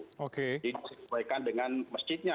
jadi disesuaikan dengan masjidnya